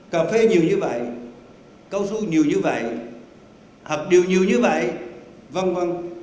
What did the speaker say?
cà phê nhiều như vậy câu su nhiều như vậy hợp điều nhiều như vậy v v